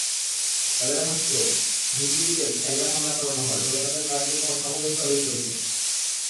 তাদের ভাষ্য, ভিটিবিতে সাইবার হামলা চালানো হয়, তবে তাদের কার্যক্রম স্বাভাবিকভাবেই চলছে।